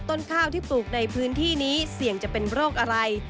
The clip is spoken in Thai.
ต้นข้าวที่ปลูกในพื้นที่นี้เสี่ยงจะเป็นโรคอะไร